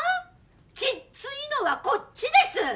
きっついのはこっちです！